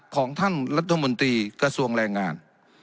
ของท่านรัฐมนตรีกระทรวงแรงงาน